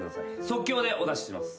即興でお出しします。